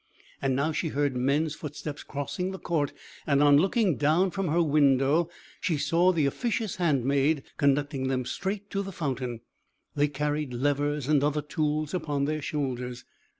And now she heard men's footsteps crossing the court; and on looking down from her window, she saw the officious handmaid conducting them straight to the fountain; they carried levers and other tools upon their shoulders.